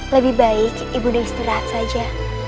lebih baik ibu deh istirahat saja